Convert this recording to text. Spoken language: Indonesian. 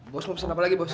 bos mau pesen apa lagi bos